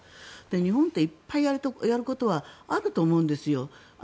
日本っていっぱいやることはあると思うんです。